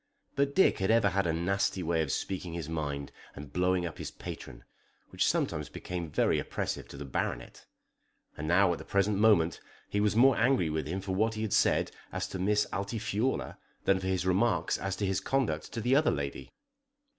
But Dick had ever had a nasty way of speaking his mind and blowing up his patron, which sometimes became very oppressive to the Baronet. And now at the present moment he was more angry with him for what he had said as to Miss Altifiorla than for his remarks as to his conduct to the other lady.